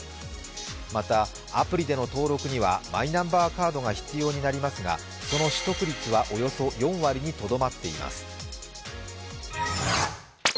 また、アプリでの登録にはマイナンバーカードが必要になりますが、その取得率はおよそ４割にとどまっています。